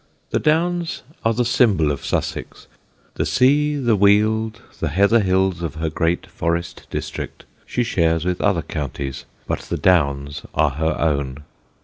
The Downs are the symbol of Sussex. The sea, the Weald, the heather hills of her great forest district, she shares with other counties, but the Downs are her own.